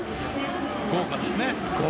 豪華ですね。